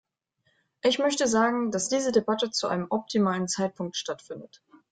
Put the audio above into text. Ich möchte sagen, dass diese Debatte zu einem optimalen Zeitpunkt stattfindet.